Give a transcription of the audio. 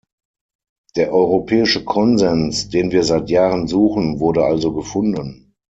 Der europäische Konsens, den wir seit Jahren suchen, wurde also gefunden.